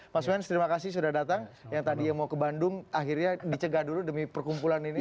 mas wens terima kasih sudah datang yang tadi yang mau ke bandung akhirnya dicegah dulu demi perkumpulan ini